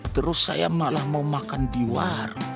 terus saya malah mau makan di luar